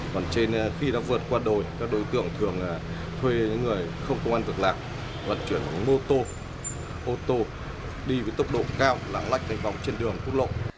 còn trên khi đã vượt qua đồi các đối tượng thường thuê những người không công an vật lạc vận chuyển bằng mô tô ô tô đi với tốc độ cao lãng lách đánh vọng trên đường cút lộ